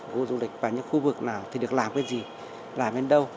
khu du lịch và những khu vực nào thì được làm cái gì làm đến đâu